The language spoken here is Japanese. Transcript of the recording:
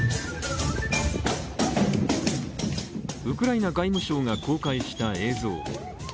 ウクライナ外務省が公開した映像。